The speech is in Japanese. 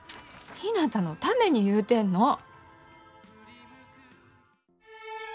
ひなたのために言うてんの。